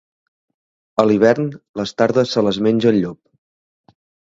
A l'hivern, les tardes se les menja el llop.